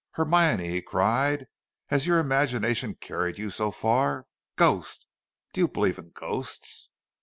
"Hermione," he cried, "has your imagination carried you so far? Ghost? Do you believe in ghosts?"